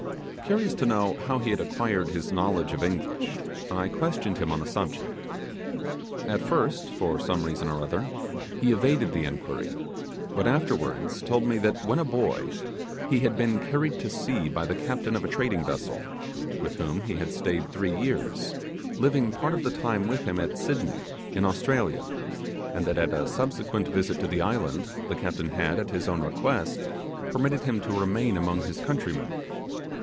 Curious to know how he had acquired his knowledge of English, I questioned him on the subject. At first, for some reason or other, he evaded the inquiry, but afterwards told me that, when a boy, he had been carried to sea by the captain of a trading vessel, with whom he had stayed three years, living part of the time with him at Sidney in Australia, and that at a subsequent visit to the island, the captain had, at his own request, permitted him to remain among his countrymen.